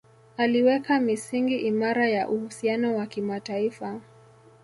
Aliweka misingi imara ya uhusiano wa kimataifa